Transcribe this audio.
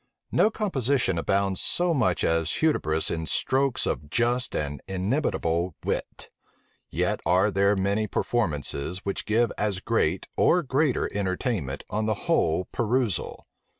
No composition abounds so much as Hudibras in strokes of just and inimitable wit; yet are there many performances which give as great or greater entertainment on the whole perusal.